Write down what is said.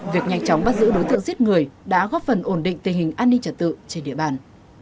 việc nhanh chóng bắt giữ đối tượng giết người đã góp phần ổn định tình hình an ninh trật tự trên địa bàn